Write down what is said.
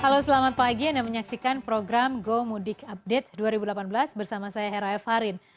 halo selamat pagi anda menyaksikan program go mudik update dua ribu delapan belas bersama saya hera f harin